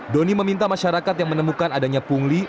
doni meminta masyarakat yang menemukan adanya pungutan liar